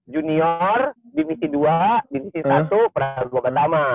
junior divisi dua divisi satu perang kedua pertama